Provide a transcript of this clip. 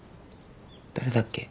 誰だっけ？